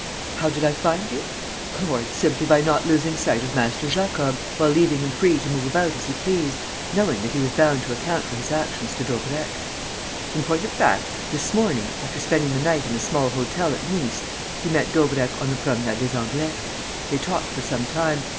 "How did I find you? Lord, simply by not losing sight of Master Jacob, while leaving him free to move about as he pleased, knowing that he was bound to account for his actions to Daubrecq. In point of fact, this morning, after spending the night in a small hotel at Nice, he met Daubrecq on the Promenade des Anglais. They talked for some time.